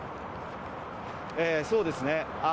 そうですね。